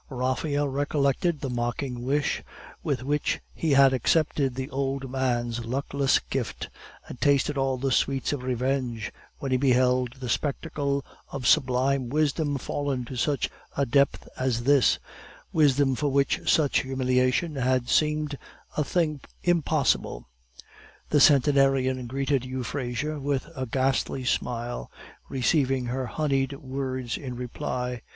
Raphael recollected the mocking wish with which he had accepted the old man's luckless gift, and tasted all the sweets of revenge when he beheld the spectacle of sublime wisdom fallen to such a depth as this, wisdom for which such humiliation had seemed a thing impossible. The centenarian greeted Euphrasia with a ghastly smile, receiving her honeyed words in reply.